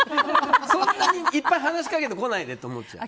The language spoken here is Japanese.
そんなにいっぱい話しかけてこないでって思っちゃう。